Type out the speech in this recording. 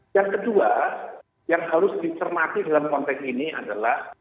yang kedua yang harus dicermati dalam konteks ini adalah